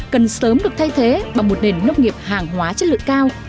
cần sớm được thay thế bằng một nền nông nghiệp hàng hóa chất lượng cao